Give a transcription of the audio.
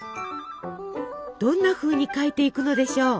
どんなふうに描いていくのでしょう。